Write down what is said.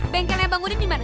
bengkelnya bang udin dimana